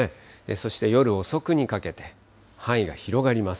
そして夜遅くにかけて範囲が広がります。